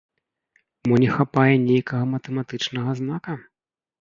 Мо не хапае нейкага матэматычнага знака?